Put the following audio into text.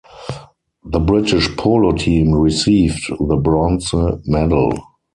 The British Polo team received the Bronze Medal.